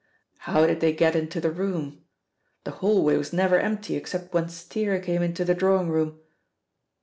"How did they get into the room? The hall way was never empty except when Steere came into the drawing room."